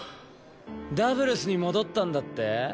ダブルスに戻ったんだって？